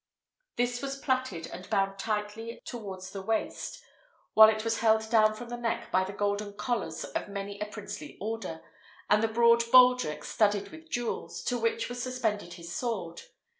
This was plaited, and bound tightly towards the waist, while it was held down from the neck by the golden collars of many a princely order, and the broad baldrick studded with jewels, to which was suspended his sword.